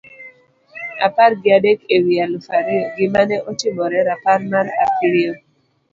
apar gi adek e wi aluf ariyo: Gima ne otimore . rapar mar apiriyo